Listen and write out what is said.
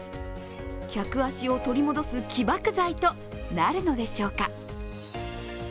客足を取り戻す起爆剤となるのでしょうか。